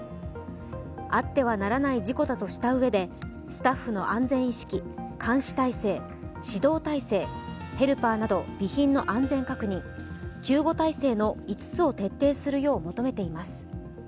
あってはならない事故だとしたうえで、スタッフの安全意識監視体制、指導体制、ヘルパーなど備品の安全確認救護体制の５つを徹底するよう求めています。